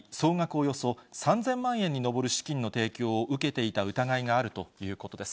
およそ３０００万円に上る資金の提供を受けていた疑いがあるということです。